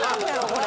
これ。